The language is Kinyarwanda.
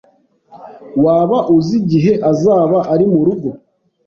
Waba uzi igihe azaba ari murugo?